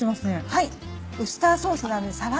はい。